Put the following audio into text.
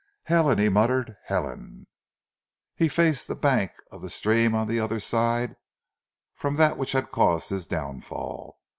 "Helen!" he muttered. "Helen!" He faced the bank of the stream on the other side from that which had caused his downfall.